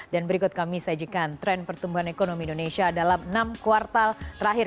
dan berikut kami sajikan tren pertumbuhan ekonomi indonesia dalam enam kuartal terakhir